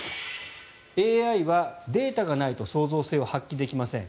ＡＩはデータがないと創造性を発揮できません